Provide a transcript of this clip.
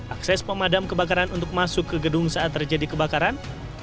akses pemadam kebakaran untuk masuk ke gedung saat terjadi kebakaran